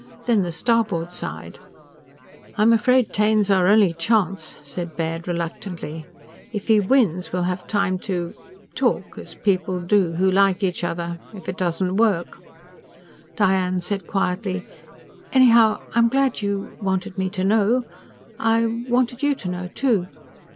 Then the starboard side "I'm afraid Taine's our only chance," said Baird reluctantly. "If he wins, we'll have time to ... talk as people do who like each other. If it doesn't work " Diane said quietly: "Anyhow ... I'm glad you ... wanted me to know. I ... wanted you to know, too."